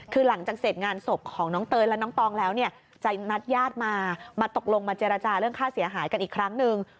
คือหลังจากเสร็จงานศพของน้องเตยและน้องตองแล้วเนี่ยจะนัดญาติมามาตกลงมาเจรจาเรื่องค่าเสียหายกันอีกครั้งหนึ่ง